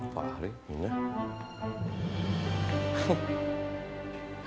pak ahri minah